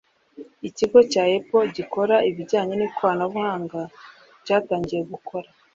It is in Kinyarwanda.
Ikigo cya Apple gikora ibijyanye n’ikoranabuhanga cyatangiye gukora